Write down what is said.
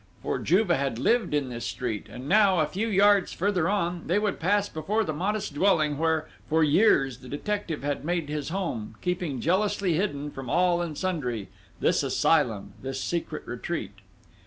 For Juve had lived in this street; and now, a few yards further on, they would pass before the modest dwelling where, for years, the detective had made his home, keeping jealously hidden, from all and sundry, this asylum, this secret retreat.